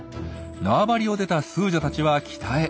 縄張りを出たスージャたちは北へ。